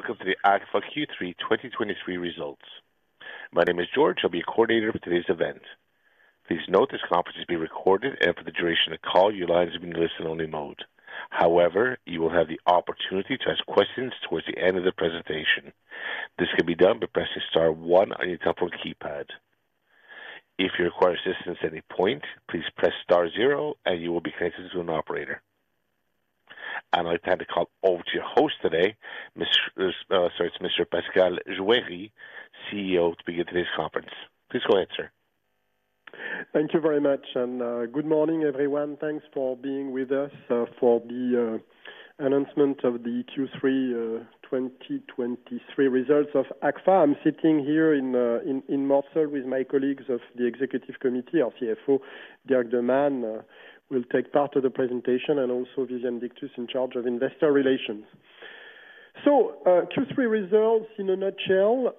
Hello, and welcome to the Agfa Q3 2023 results. My name is George. I'll be your coordinator for today's event. Please note this conference is being recorded, and for the duration of the call, your line is in listen-only mode. However, you will have the opportunity to ask questions towards the end of the presentation. This can be done by pressing star one on your telephone keypad. If you require assistance at any point, please press star zero and you will be connected to an operator. I'd like to hand the call over to your host today, Mr., sorry, it's Mr. Pascal Juéry, CEO, to begin today's conference. Please go ahead, sir. Thank you very much, and good morning, everyone. Thanks for being with us for the announcement of the Q3 2023 results of Agfa. I'm sitting here in Mortsel with my colleagues of the executive committee. Our CFO, Dirk De Man, will take part of the presentation and also Viviane Dictus, in charge of investor relations. So, Q3 results in a nutshell.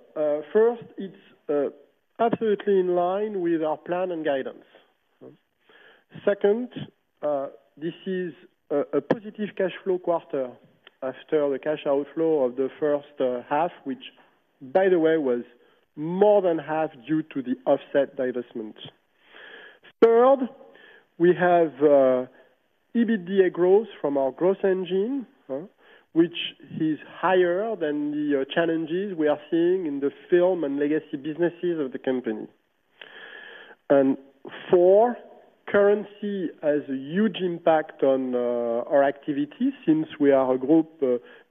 First, it's absolutely in line with our plan and guidance. Second, this is a positive cash flow quarter after the cash outflow of the first half, which, by the way, was more than half due to the Offset divestment. Third, we have EBITDA growth from our growth engine, which is higher than the challenges we are seeing in the Film and legacy businesses of the company. And four, currency has a huge impact on our activity since we are a group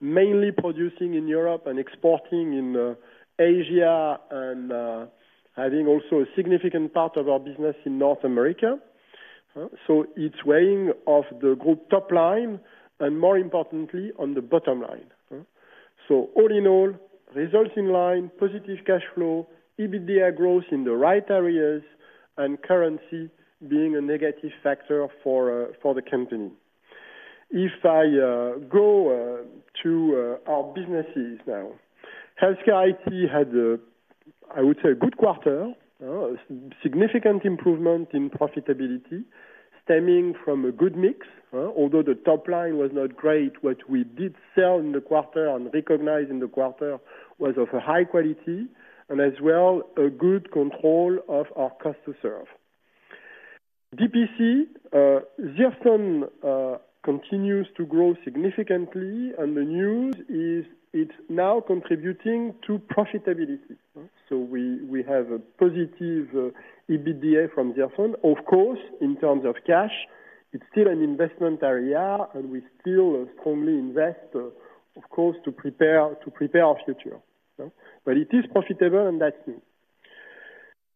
mainly producing in Europe and exporting in Asia and having also a significant part of our business in North America. So it's weighing off the group top line, and more importantly, on the bottom line, huh? So all in all, results in line, positive cash flow, EBITDA growth in the right areas and currency being a negative factor for the company. If I go to our businesses now. Healthcare IT had a, I would say, a good quarter, a significant improvement in profitability, stemming from a good mix, although the top line was not great, what we did sell in the quarter and recognize in the quarter was of a high quality and as well a good control of our cost to serve. DPC continues to grow significantly, and the news is it's now contributing to profitability. So we have a positive EBITDA from ZIRFON. Of course, in terms of cash, it's still an investment area, and we still strongly invest, of course, to prepare our future. But it is profitable, and that's new.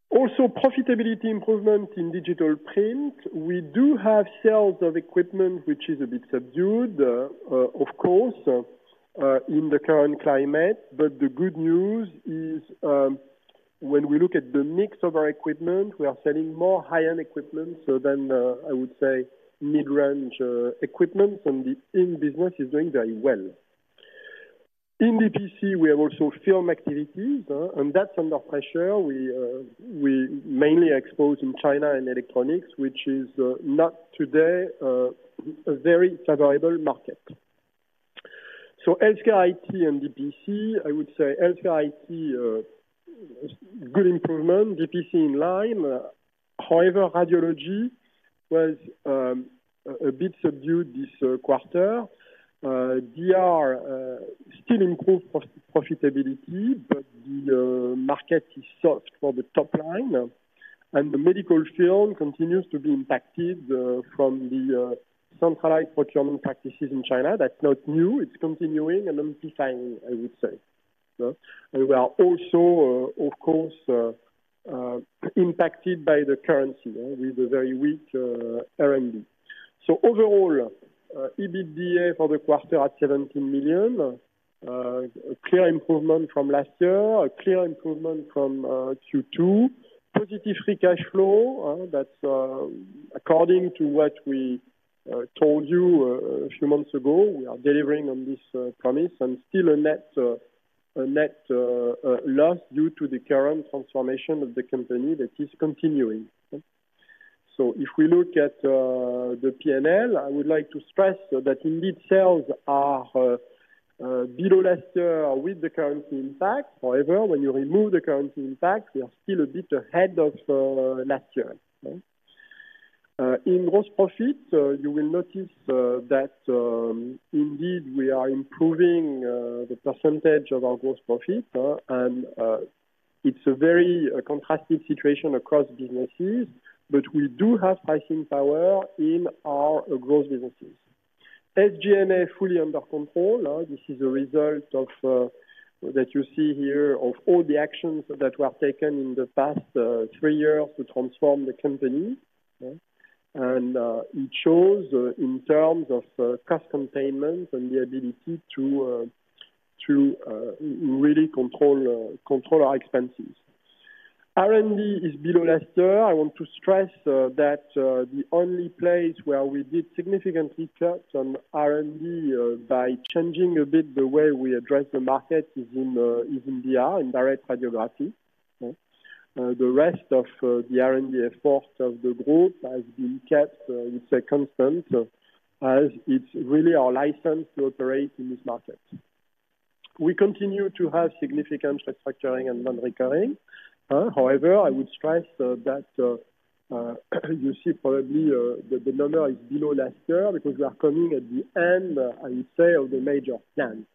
Also, profitability improvement in digital print. We do have sales of equipment, which is a bit subdued, of course, in the current climate. But the good news is, when we look at the mix of our equipment, we are selling more high-end equipment, so than I would say, mid-range equipment, and the ink business is doing very well. In DPC, we have also Film activities, and that's under pressure. We, we mainly expose in China and electronics, which is not today a very favorable market. So Healthcare IT and DPC, I would say Healthcare IT good improvement, DPC in line. However, Radiology was a bit subdued this quarter. DR still improved profitability, but the market is soft for the top line, and the medical Film continues to be impacted from the centralized procurement practices in China. That's not new. It's continuing and amplifying, I would say. And we are also, of course, impacted by the currency, with a very weak RMB. So overall, EBITDA for the quarter at 17 million, a clear improvement from last year, a clear improvement from Q2. Positive free cash flow, that's, according to what we told you a few months ago, we are delivering on this promise, and still a net, a net loss due to the current transformation of the company that is continuing. So if we look at the P&L, I would like to stress that indeed, sales are below last year with the currency impact. However, when you remove the currency impact, we are still a bit ahead of last year, huh? In gross profit, you will notice that, indeed, we are improving the percentage of our gross profit, and it's a very contrasting situation across businesses, but we do have pricing power in our growth businesses. SG&A fully under control. This is a result of that you see here, of all the actions that were taken in the past three years to transform the company. It shows in terms of cost containment and the ability to really control our expenses. R&D is below last year. I want to stress that the only place where we did significantly cut on R&D, by changing a bit the way we address the market, is in DR, in Direct Radiography. The rest of the R&D efforts of the group has been kept intact, constant, as it's really our license to operate in this market. We continue to have significant restructuring and non-recurring. However, I would stress that you see probably that the number is below last year, because we are coming at the end, I would say, of the major plans.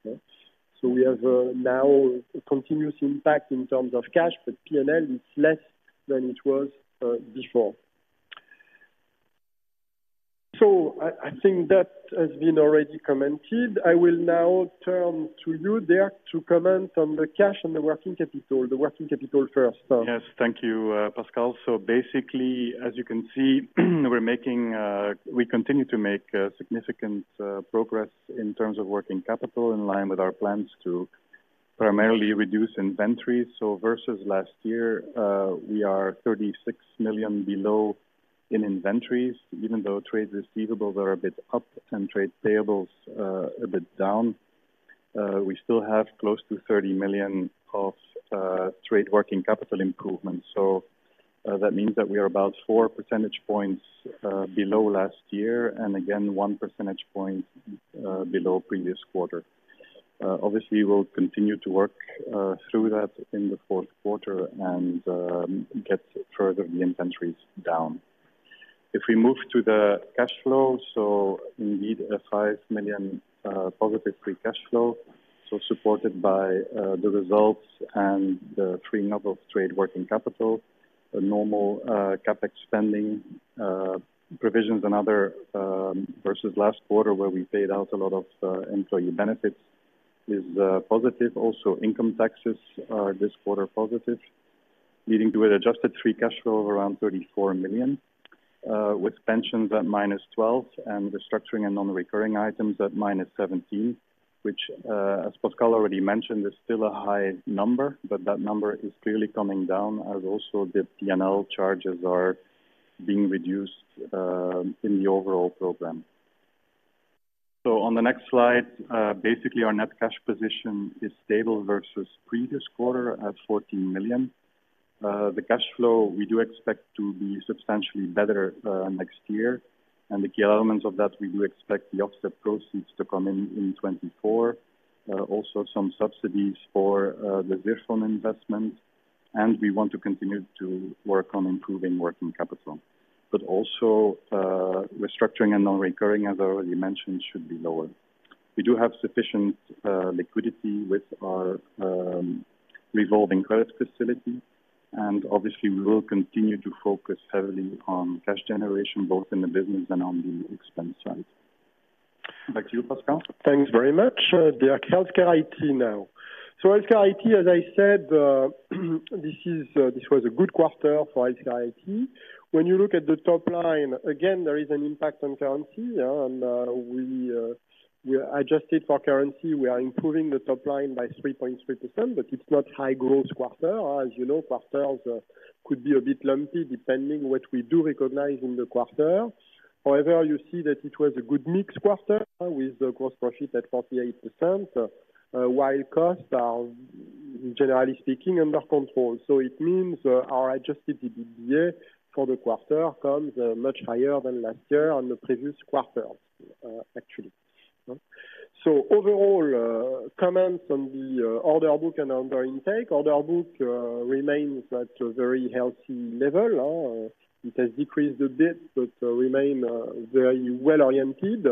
So we have now a continuous impact in terms of cash, but P&L is less than it was before. So I think that has been already commented. I will now turn to you, Dirk, to comment on the cash and the working capital, the working capital first. Yes, thank you, Pascal. So basically, as you can see, we're making, we continue to make, significant progress in terms of working capital in line with our plans to primarily reduce inventories. So versus last year, we are 36 million below in inventories, even though trade receivables are a bit up and trade payables, a bit down. We still have close to 30 million of trade working capital improvements. So, that means that we are about 4 percentage points below last year, and again, 1 percentage point below previous quarter. Obviously, we'll continue to work through that in the fourth quarter and get further the inventories down. If we move to the cash flow, so indeed, a 5 million positive free cash flow, so supported by the results and the freeing up of trade working capital, a normal CapEx spending, provisions and other versus last quarter, where we paid out a lot of employee benefits, is positive. Also, income taxes are this quarter positive, leading to an adjusted free cash flow of around 34 million with pensions at -12 million and the structuring and non-recurring items at -17 million, which, as Pascal already mentioned, is still a high number, but that number is clearly coming down, as also the P&L charges are being reduced in the overall program. So on the next slide, basically, our net cash position is stable versus previous quarter at 14 million. The cash flow, we do expect to be substantially better next year. And the key elements of that, we do expect the Offset proceeds to come in, in 2024. Also some subsidies for the ZIRFON investment, and we want to continue to work on improving working capital. But also, restructuring and non-recurring, as I already mentioned, should be lower. We do have sufficient liquidity with our revolving credit facility, and obviously, we will continue to focus heavily on cash generation, both in the business and on the expense side. Back to you, Pascal. Thanks very much, Dirk. Healthcare IT now. So Healthcare IT, as I said, this was a good quarter for Healthcare IT. When you look at the top line, again, there is an impact on currency, and we adjusted for currency. We are improving the top line by 3.3%, but it's not high growth quarter. As you know, quarters could be a bit lumpy, depending what we do recognize in the quarter. However, you see that it was a good mix quarter with the gross profit at 48%, while costs are, generally speaking, under control. So it means our adjusted EBITDA for the quarter comes much higher than last year on the previous quarter, actually. So overall, comments on the order book and order intake. Order book remains at a very healthy level, it has decreased a bit, but remain very well-oriented.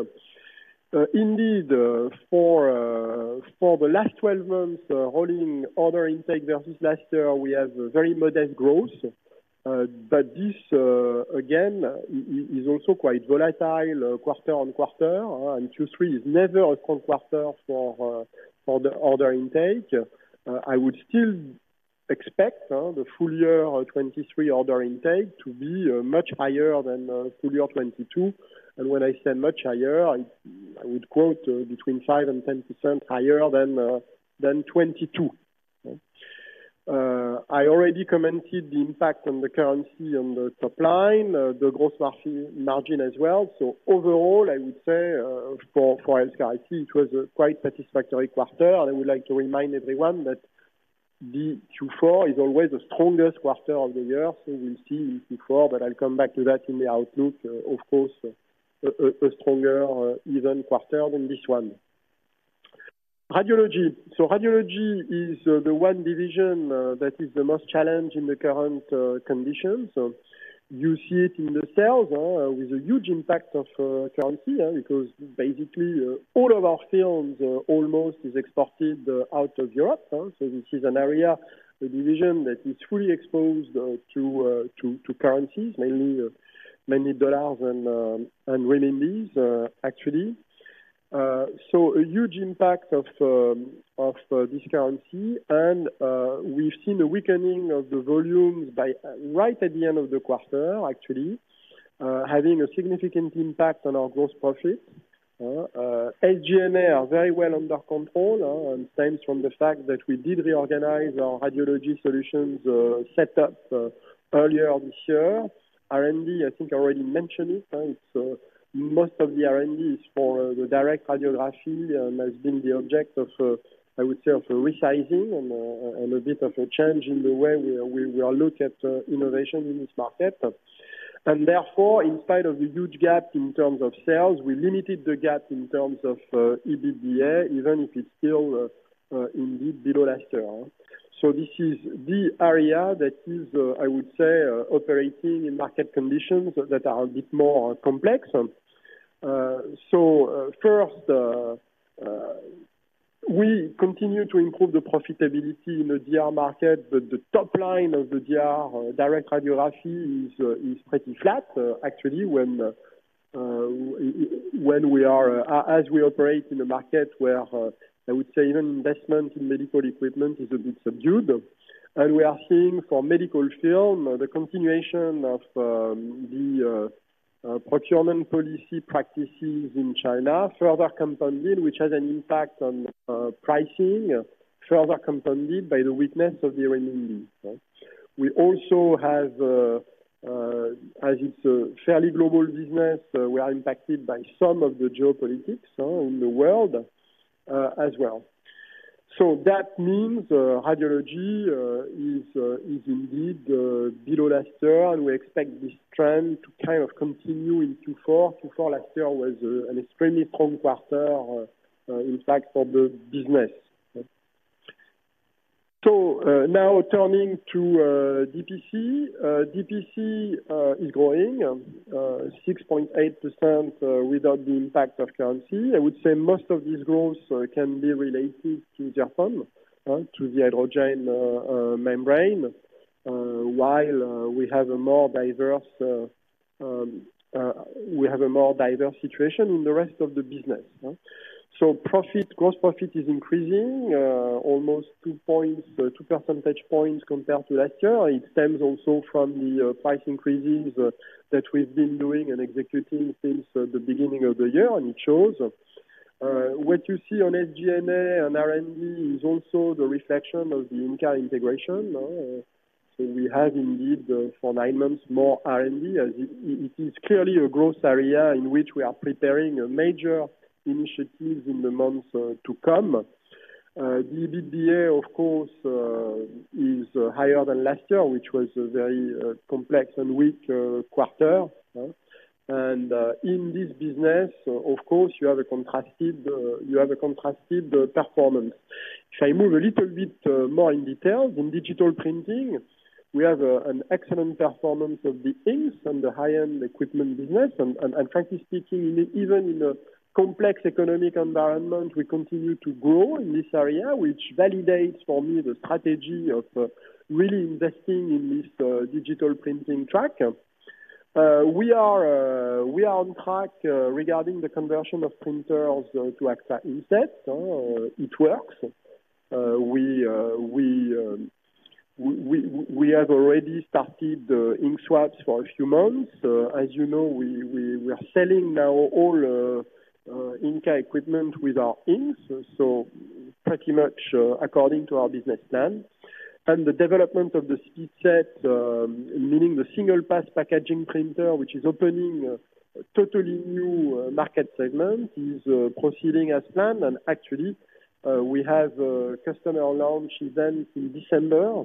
Indeed, for the last twelve months, holding order intake versus last year, we have a very modest growth. But this again is also quite volatile, quarter-on-quarter, and Q3 is never a strong quarter for the order intake. I would still expect the full year of 2023 order intake to be much higher than full year 2022. And when I say much higher, I would quote between 5% and 10% higher than 2022. I already commented the impact on the currency on the top line, the gross margin as well. So overall, I would say for Healthcare IT, it was a quite satisfactory quarter. I would like to remind everyone that the Q4 is always the strongest quarter of the year, so we'll see before, but I'll come back to that in the outlook. Of course, a stronger even quarter than this one. Radiology. So Radiology is the one division that is the most challenged in the current conditions. So you see it in the sales with a huge impact of currency because basically all of our sales almost is exported out of Europe, so this is an area, a division that is fully exposed to currencies, mainly dollars and renminbi, actually. So a huge impact of this currency, and we've seen a weakening of the volumes by right at the end of the quarter, actually, having a significant impact on our gross profit. SG&A are very well under control, and stems from the fact that we did reorganize our Radiology Solutions setup earlier this year. R&D, I think I already mentioned it, it's most of the R&D is for the Direct Radiography and has been the object of, I would say, of resizing and a bit of a change in the way we look at innovation in this market. And therefore, in spite of the huge gap in terms of sales, we limited the gap in terms of EBITDA, even if it's still indeed below last year. So this is the area that is, I would say, operating in market conditions that are a bit more complex. So, first, we continue to improve the profitability in the DR market, but the top line of the DR, direct radiography is pretty flat, actually, when we are, as we operate in a market where, I would say even investment in medical equipment is a bit subdued. And we are seeing for medical Film, the continuation of, the procurement policy practices in China, further compounded, which has an impact on, pricing, further compounded by the weakness of the renminbi, so. We also have, as it's a fairly global business, we are impacted by some of the geopolitics, in the world, as well. So that means, Radiology is indeed below last year, and we expect this trend to kind of continue in Q4. Q4 last year was an extremely strong quarter, in fact, for the business. So, now turning to DPC. DPC is growing 6.8% without the impact of currency. I would say most of this growth can be related to ZIRFON, to the hydrogen membrane. While we have a more diverse situation in the rest of the business. So profit, gross profit is increasing almost two points, two percentage points compared to last year. It stems also from the price increases that we've been doing and executing since the beginning of the year, and it shows. What you see on SG&A and R&D is also the reflection of the Inca integration. So we have indeed, for nine months, more R&D, as it is clearly a growth area in which we are preparing a major initiatives in the months to come. The EBITDA, of course, is higher than last year, which was a very complex and weak quarter. In this business, of course, you have a contrasted performance. If I move a little bit more in detail, in digital printing, we have an excellent performance of the inks and the high-end equipment business. And frankly speaking, even in a complex economic environment, we continue to grow in this area, which validates for me the strategy of really investing in this digital printing track. We are on track regarding the conversion of printers to Agfa Ink Sets. It works. We have already started the ink swaps for a few months. As you know, we are selling now all Inca equipment with our inks, so pretty much according to our business plan. And the development of the SpeedSet, meaning the single pass packaging printer, which is opening a totally new market segment, is proceeding as planned. And actually, we have a customer launch event in December,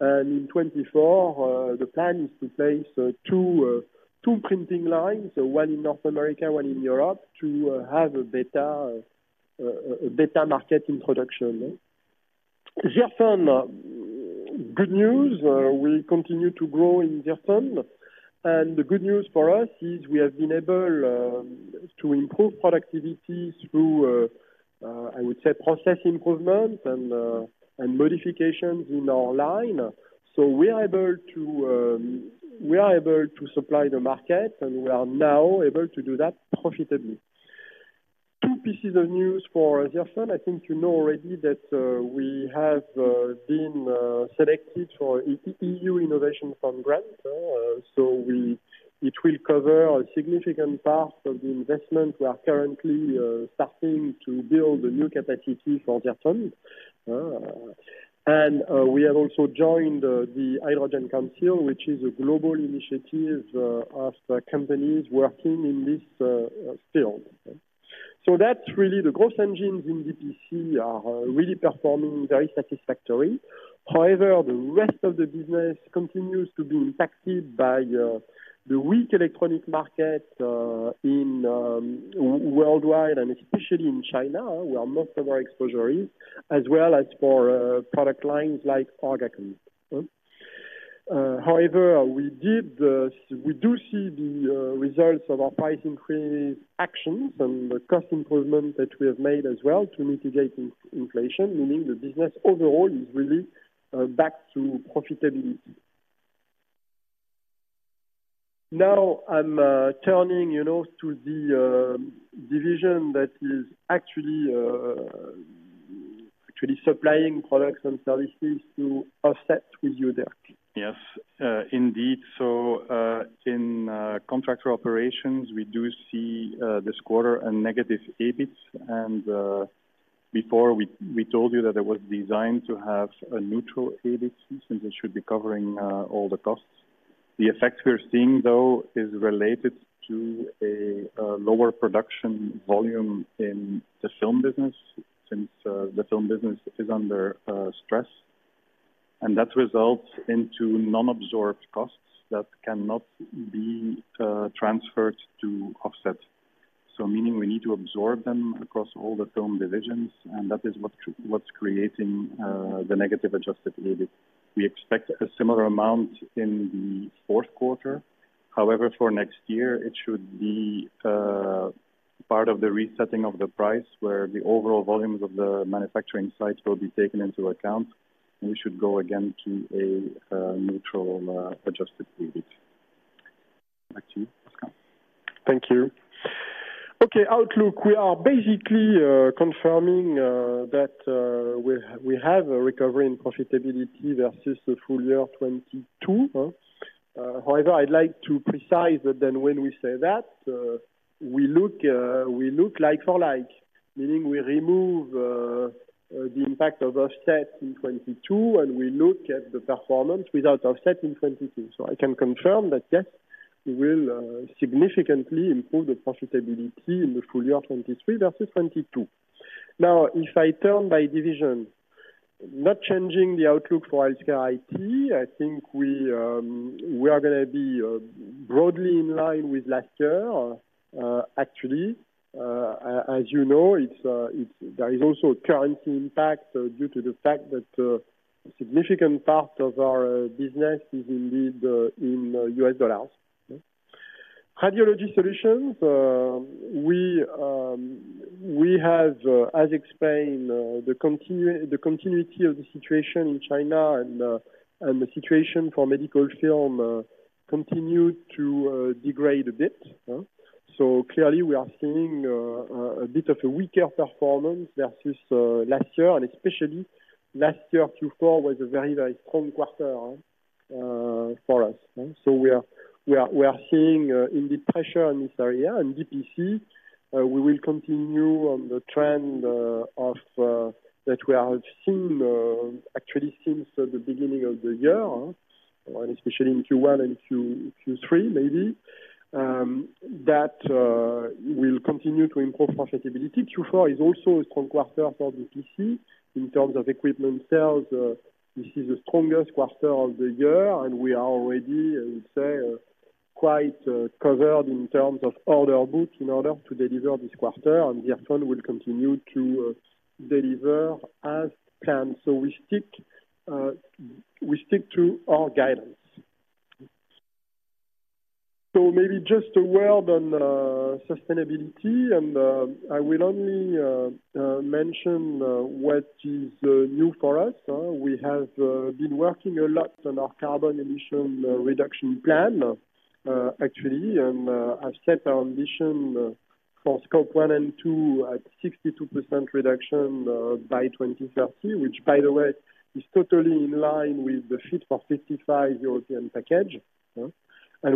and in 2024, the plan is to place two printing lines, one in North America, one in Europe, to have a better market introduction. ZIRFON, good news, we continue to grow in ZIRFON, and the good news for us is we have been able to improve productivity through, I would say, process improvement and modifications in our line. So we are able to supply the market, and we are now able to do that profitably. Two pieces of news for ZIRFON. I think you know already that we have been selected for EU Innovation Fund grant. So we—it will cover a significant part of the investment. We are currently starting to build a new capacity for ZIRFON. And we have also joined the Hydrogen Council, which is a global initiative of the companies working in this field. So that's really the growth engines in DPC are really performing very satisfactory. However, the rest of the business continues to be impacted by the weak electronic market in worldwide and especially in China. We are more of our exposure, as well as for product lines like ORGACON. However, we do see the results of our price increase actions and the cost improvement that we have made as well to mitigate inflation, meaning the business overall is really back to profitability. Now, I'm turning, you know, to the division that is actually supplying products and services to Offset with you, Dirk. Yes, indeed. So, in Contractor Operations, we do see this quarter a negative EBIT. And, before we told you that it was designed to have a neutral EBIT, since it should be covering all the costs. The effect we're seeing, though, is related to a lower production volume in the Film business, since the Film business is under stress. And that results into non-absorbed costs that cannot be transferred to Offset. So meaning we need to absorb them across all the Film divisions, and that is what's creating the negative adjusted EBIT. We expect a similar amount in the fourth quarter. However, for next year it should be part of the resetting of the price, where the overall volumes of the manufacturing sites will be taken into account, and we should go again to a neutral adjusted EBIT. Back to you, Pascal. Thank you. Okay, outlook. We are basically confirming that we have a recovery in profitability versus the full year 2022, huh. However, I'd like to precise that when we say that, we look like for like, meaning we remove the impact of Offset in 2022, and we look at the performance without Offset in 2022. So I can confirm that yes, we will significantly improve the profitability in the full year of 2023 versus 2022. Now, if I turn by division, not changing the outlook for Healthcare IT, I think we are gonna be broadly in line with last year, actually. As you know, it's there is also a currency impact due to the fact that a significant part of our business is indeed in US dollars. Radiology Solutions, we have, as explained, the continuity of the situation in China and the situation for medical Film continued to degrade a bit, huh? So clearly, we are seeing a bit of a weaker performance versus last year, and especially last year, Q4 was a very, very strong quarter for us, huh. So we are seeing indeed pressure in this area, and DPC, we will continue on the trend of that we have seen actually since the beginning of the year, and especially in Q1 and Q2 and Q3, maybe. That will continue to improve profitability. Q4 is also a strong quarter for DPC in terms of equipment sales. This is the strongest quarter of the year, and we are already, I would say, quite covered in terms of order book in order to deliver this quarter, and the trend will continue to deliver as planned. So we stick to our guidance. So maybe just a word on sustainability, and I will only mention what is new for us. We have been working a lot on our carbon emission reduction plan, actually, and I've set our ambition for Scope 1 and 2 at 62% reduction by 2030, which, by the way, is totally in line with the Fit for 55 European package, huh?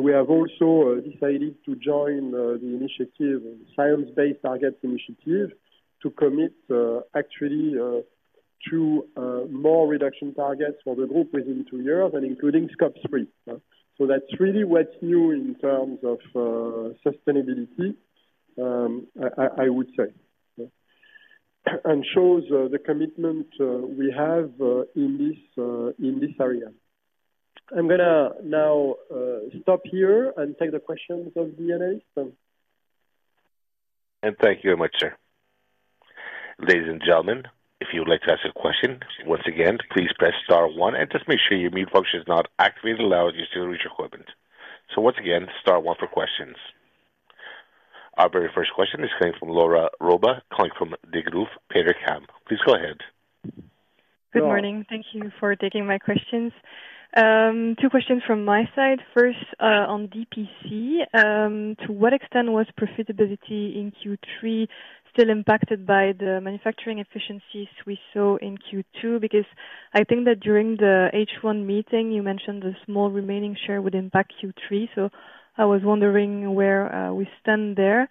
We have also decided to join the initiative, Science Based Targets initiative, to commit actually to more reduction targets for the group within two years and including Scope 3. That's really what's new in terms of sustainability, I would say, and shows the commitment we have in this area. I'm gonna now stop here and take the questions of the analysts. Thank you very much, sir. Ladies and gentlemen, if you would like to ask a question, once again, please press star one and just make sure your mute function is not activated, allowing you to reach your equipment. Once again, star one for questions. Our very first question is coming from Laura Roba, calling from Degroof Petercam. Please go ahead. Good morning. Thank you for taking my questions. Two questions from my side. First, on DPC. To what extent was profitability in Q3 still impacted by the manufacturing efficiencies we saw in Q2? Because I think that during the H1 meeting, you mentioned the small remaining share would impact Q3, so I was wondering where we stand there.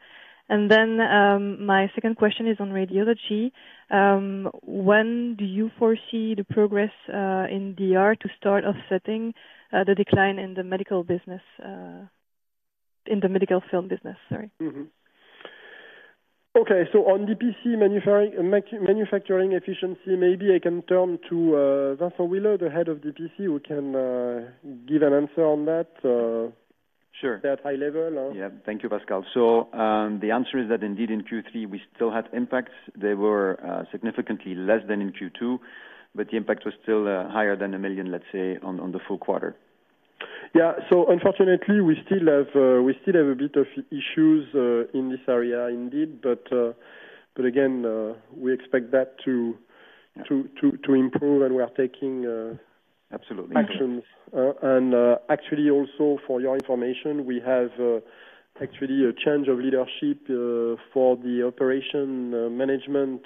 And then, my second question is on Radiology. When do you foresee the progress in DR to start offsetting the decline in the medical business in the medical Film business? Sorry. Mm-hmm. Okay, so on DPC manufacturing efficiency, maybe I can turn to Vincent Wille, the head of DPC, who can give an answer on that. Sure. At high level. Yeah. Thank you, Pascal. So, the answer is that indeed in Q3, we still had impacts. They were significantly less than in Q2, but the impact was still higher than 1 million, let's say, on the full quarter. Yeah. So unfortunately, we still have a bit of issues in this area indeed. But again, we expect that to- Yeah... to improve and we are taking Absolutely... actions. And, actually, for your information, we have actually a change of leadership for the operation management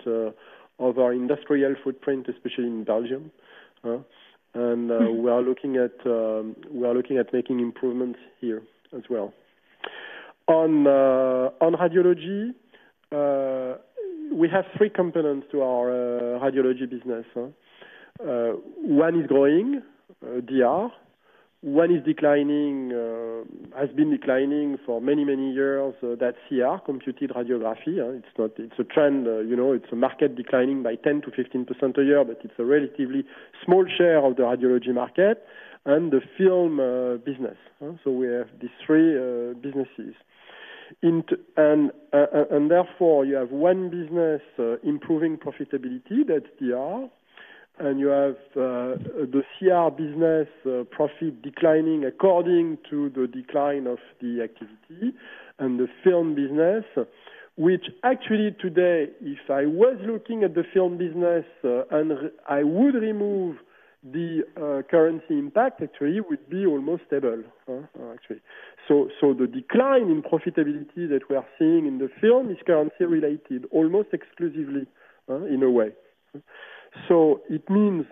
of our industrial footprint, especially in Belgium. And, we are looking at making improvements here as well. On Radiology, we have three components to our Radiology business. One is growing, DR. One is declining, has been declining for many, many years. So that's CR, Computed Radiography. It's not, it's a trend, you know, it's a market declining by 10%-15% a year, but it's a relatively small share of the Radiology market and the Film business. So we have these three businesses. Into and, and therefore, you have one business improving profitability, that's DR. You have the CR business profit declining according to the decline of the activity and the Film business, which actually today, if I was looking at the Film business, and I would remove the currency impact, actually, it would be almost stable, actually. So the decline in profitability that we are seeing in the Film is currency related, almost exclusively, in a way. So it means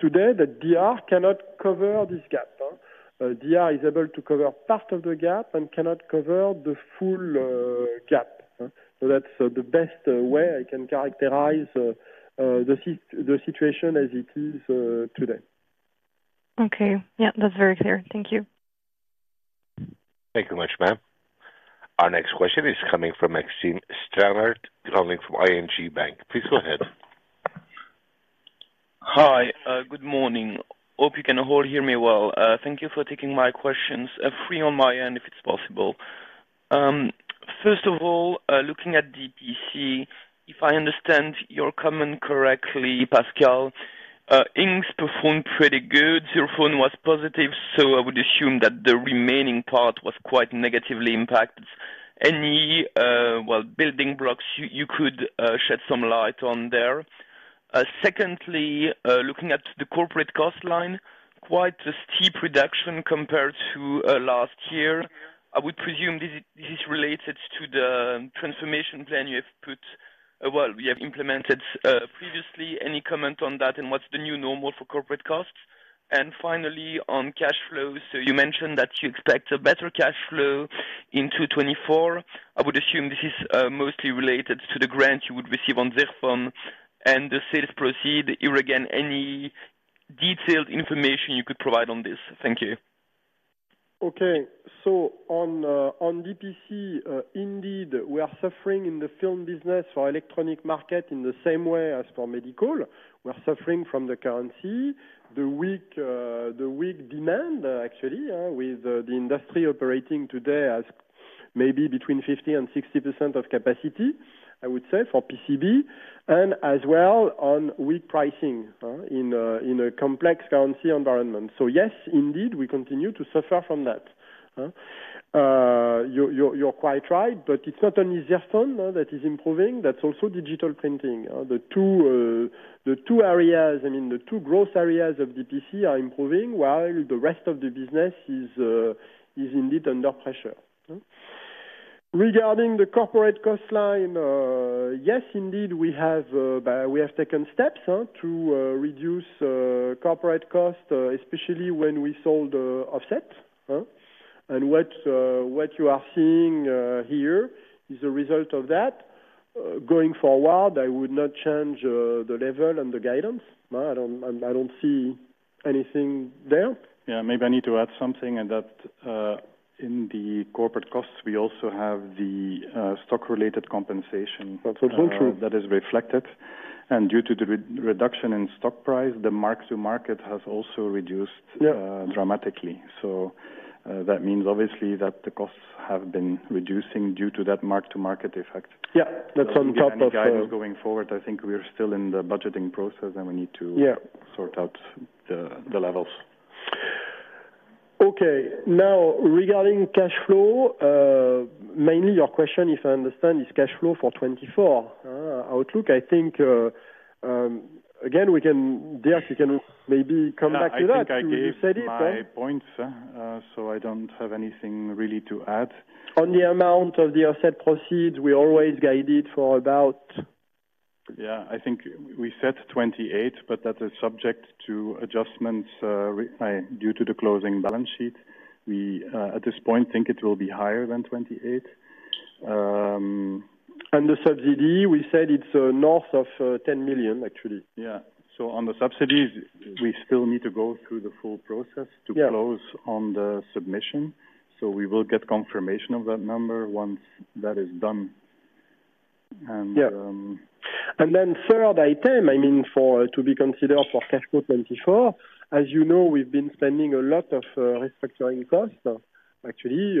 today that DR cannot cover this gap. DR is able to cover part of the gap and cannot cover the full gap. So that's the best way I can characterize the situation as it is today. Okay. Yeah, that's very clear. Thank you. Thank you very much, ma'am. Our next question is coming from Maxime Stranart, calling from ING Bank. Please go ahead. Hi, good morning. Hope you can all hear me well. Thank you for taking my questions. Three on my end, if it's possible. First of all, looking at the DPC, if I understand your comment correctly, Pascal, inks performed pretty good, your tone was positive, so I would assume that the remaining part was quite negatively impacted. Any, well, building blocks you could shed some light on there? Secondly, looking at the corporate cost line, quite a steep reduction compared to last year. I would presume this is related to the transformation plan you have put, well, you have implemented previously. Any comment on that, and what's the new normal for corporate costs? And finally, on cash flows, so you mentioned that you expect a better cash flow in 2024. I would assume this is mostly related to the grant you would receive on ZIRFON and the sales proceeds. Here again, any detailed information you could provide on this? Thank you. Okay. So on DPC, indeed, we are suffering in the Film business for electronic market in the same way as for medical. We're suffering from the currency, the weak, the weak demand, actually, with the industry operating today as maybe between 50% and 60% of capacity, I would say, for PCB, and as well on weak pricing, in a complex currency environment. So yes, indeed, we continue to suffer from that, huh. You, you're quite right, but it's not only ZIRFON that is improving, that's also Digital Printing. The two areas, I mean, the two growth areas of DPC are improving, while the rest of the business is indeed under pressure. Regarding the corporate cost line, yes, indeed, we have taken steps to reduce corporate cost, especially when we sold Offset. And what you are seeing here is a result of that. Going forward, I would not change the level and the guidance. I don't see anything there. Yeah, maybe I need to add something, and that, in the corporate costs, we also have the, stock related compensation- That's so true. that is reflected. And due to the reduction in stock price, the mark to market has also reduced- Yeah. dramatically. So, that means obviously that the costs have been reducing due to that mark to market effect. Yeah, that's on top of- Going forward, I think we are still in the budgeting process, and we need to- Yeah. Sort out the levels. Okay, now, regarding cash flow, mainly your question, if I understand, is cash flow for 2024. Outlook, I think, again, we can, Dirk, you can maybe come back to that. I think I gave my points, so I don't have anything really to add. On the amount of the Offset proceeds, we always guide it for about... Yeah, I think we said 28 million, but that is subject to adjustments due to the closing balance sheet. We at this point think it will be higher than 28. The subsidy, we said it's north of 10 million, actually. Yeah. So on the subsidies, we still need to go through the full process- Yeah - to close on the submission. So we will get confirmation of that number once that is done. And Yeah. And then third item, I mean, for, to be considered for cash flow 2024, as you know, we've been spending a lot of restructuring costs. Actually,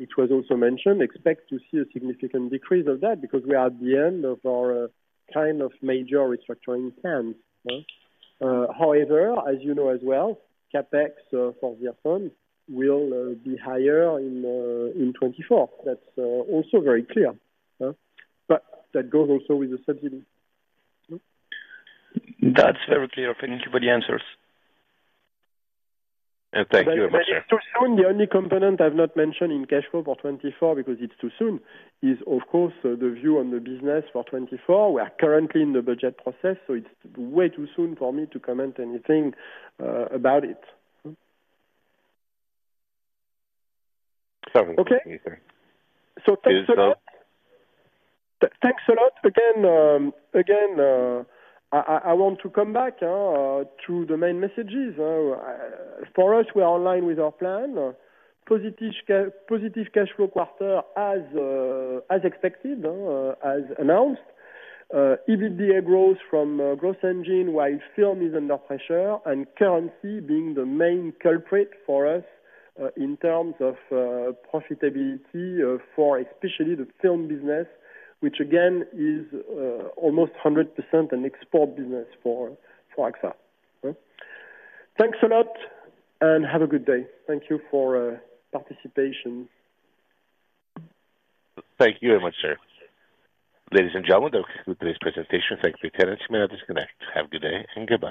it was also mentioned, expect to see a significant decrease of that because we are at the end of our kind of major restructuring plan. However, as you know as well, CapEx for ZIRFON will be higher in 2024. That's also very clear, but that goes also with the subsidy. That's very clear. Thank you for the answers. Thank you very much, sir. It's too soon. The only component I've not mentioned in cash flow for 2024, because it's too soon, is of course, the view on the business for 2024. We are currently in the budget process, so it's way too soon for me to comment anything about it. Sorry. Okay. So thanks a lot. Thanks a lot. Again, I want to come back to the main messages. For us, we are online with our plan. Positive cash flow quarter as expected, as announced. EBITDA growth from growth engine, while Film is under pressure and currency being the main culprit for us in terms of profitability for especially the Film business, which again is almost 100% an export business for Agfa. Thanks a lot, and have a good day. Thank you for participation. Thank you very much, sir. Ladies and gentlemen, that concludes today's presentation. Thank you for attending, you may now disconnect. Have a good day and goodbye.